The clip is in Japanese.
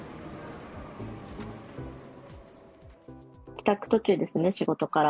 帰宅途中ですね、仕事から。